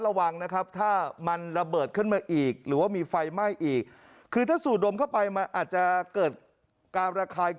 ยังไม่สามารห์พระขายได้ไม่จากขวดขวดถวัตร